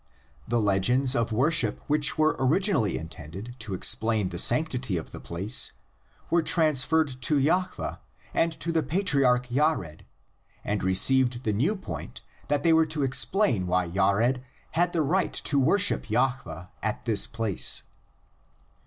The legends of worship which were originally intended to explain the sanc tity of the place, were transferred to Jahveh and to the patriarch Jared and received the new point that they were to explain why Jared had the right to worship Jahveh at this place.